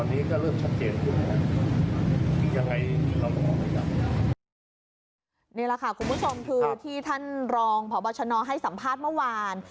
นี่แหละค่ะคุณผู้ชมคือที่ท่านรองพบชนให้สัมภาษณ์เมื่อวาน